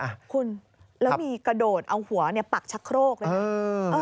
แล้วมีกระโดดเอาหัวปักชะโครกเลย